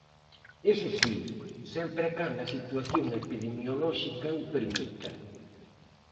Iso si, sempre e cando a situación epidemiolóxica o permita.